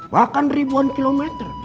bahkan ribuan kilometer